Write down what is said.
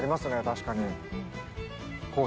確かに。